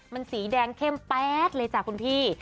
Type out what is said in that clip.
มันสีแดงเข้มแป๊ดเลยจ้ะคุณพี่